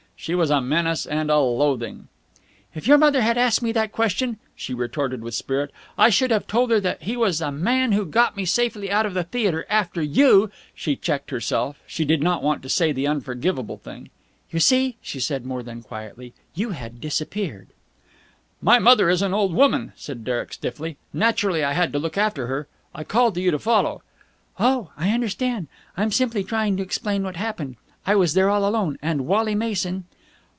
She was a menace and a loathing. "If your mother had asked me that question," she retorted with spirit, "I should have told her that he was the man who got me safely out of the theatre after you...." She checked herself. She did not want to say the unforgivable thing. "You see," she said more quietly, "you had disappeared...." "My mother is an old woman," said Derek stiffly. "Naturally I had to look after her. I called to you to follow." "Oh, I understand. I'm simply trying to explain what happened. I was there all alone, and Wally Mason...."